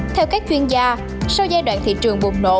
theo các chuyên gia sau giai đoạn thị trường bùng nổ